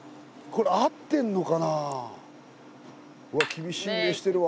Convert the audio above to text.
厳しい目してるわ。